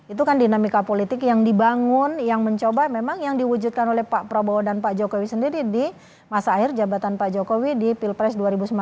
itu kan dinamika politik yang dibangun yang mencoba memang yang diwujudkan oleh pak prabowo dan pak jokowi sendiri di masa akhir jabatan pak jokowi di pilpres dua ribu sembilan belas